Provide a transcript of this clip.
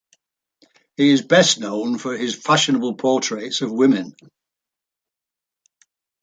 He is best known for his fashionable portraits of women.